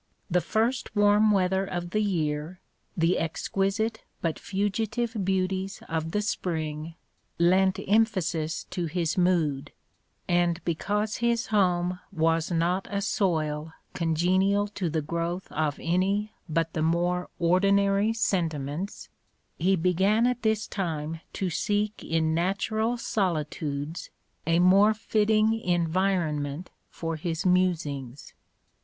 The first warm weather of the year, the exquisite but fugitive beauties of the spring, lent emphasis to his mood, and because his home was not a soil congenial to the growth of any but the more ordinary sentiments, he began at this time to seek in natural solitudes a more fitting environment for his musings.